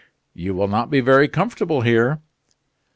"You will not be very comfortable here."